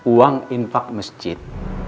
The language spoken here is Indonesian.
uang impak masjid